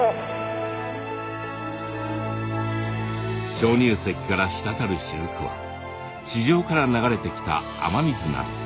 鍾乳石から滴るしずくは地上から流れてきた雨水など。